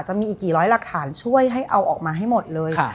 จะมีอีกกี่ร้อยหลักฐานช่วยให้เอาออกมาให้หมดเลย